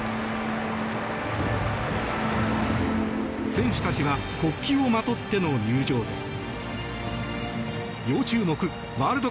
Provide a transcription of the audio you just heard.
選手たちは国旗をまとっての入場です。